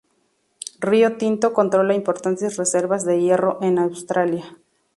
Rio Tinto controla importantes reservas de hierro en Australia.